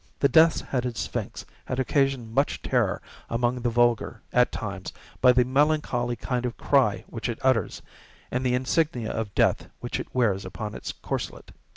The Death's headed Sphinx has occasioned much terror among the vulgar, at times, by the melancholy kind of cry which it utters, and the insignia of death which it wears upon its corslet.